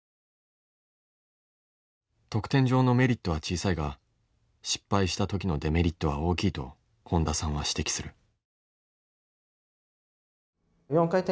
得点上のメリットは小さいが失敗した時のデメリットは大きいと本田さんは指摘する。